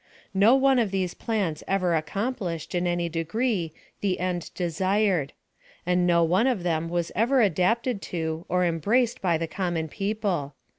No one of theso plans ever accomplished, in any degree, the end de sired And no one of them was ever adapted to, or embraced by the common people.